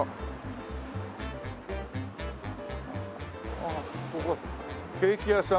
ああここケーキ屋さん。